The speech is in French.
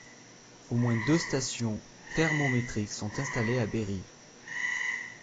Au moins deux stations thermométriques sont installées à Bérive.